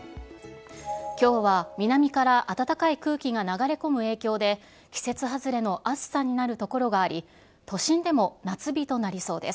きょうは南から暖かい空気が流れ込む影響で、季節外れの暑さになる所があり、都心でも夏日となりそうです。